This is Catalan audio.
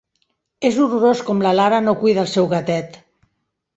És horrorós com la Lara no cuida el seu gatet.